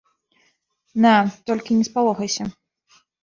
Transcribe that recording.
На, толькі не спалохайся.